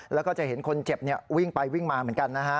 แล้วก็จะเห็นคนเจ็บวิ่งไปวิ่งมาเหมือนกันนะฮะ